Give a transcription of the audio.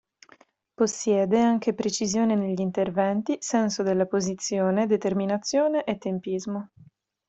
Possiede anche precisione negli interventi, senso della posizione, determinazione e tempismo.